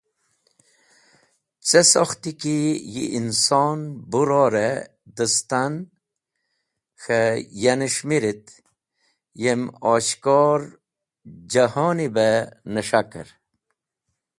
Cẽ sokhti ki yi inson bu ror-e dẽstan k̃he yanes̃h mirit, yem oshkor jahoni be nẽs̃haker.